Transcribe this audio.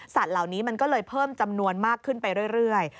เหล่านี้มันก็เลยเพิ่มจำนวนมากขึ้นไปเรื่อย